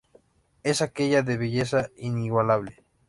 Es aquella de belleza inigualable.